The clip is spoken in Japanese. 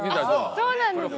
そうなんですね。